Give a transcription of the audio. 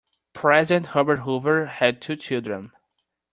President Herbert Hoover had two children.